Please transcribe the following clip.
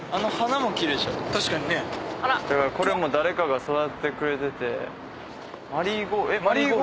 だからこれも誰かが育ててくれてて「マリーゴールド」？